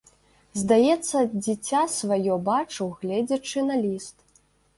Здаецца, дзіця сваё бачу, гледзячы на ліст.